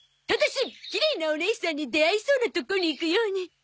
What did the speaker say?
ただしきれいなおねいさんに出会えそうなとこに行くように。